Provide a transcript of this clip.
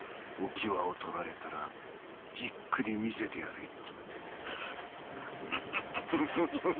お喜和を捕らえたらじっくり見せてやれ。